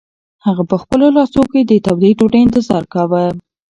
هغه په خپلو لاسو کې د تودې ډوډۍ انتظار کاوه.